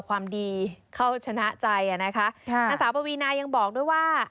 อาสาปวีนายยังบอกด้วยว่า